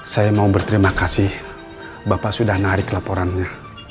saya mau berterima kasih bapak sudah narik laporannya